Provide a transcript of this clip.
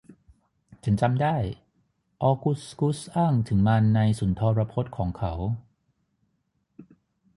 ฉันจำได้ ออกุสกุสอ้างถึงมันในสุนทรพจน์ของเขา